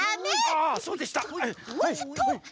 ああそうでした！